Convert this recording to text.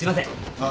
ああ。